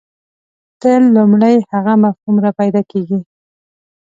تل لومړی هغه مفهوم راپیدا کېږي.